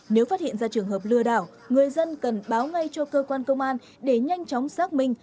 nếu phát hiện ra trường hợp lừa đảo người dân cần báo ngay cho cơ quan công an để nhanh chóng xác minh